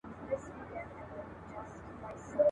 د بابلیانو عشتار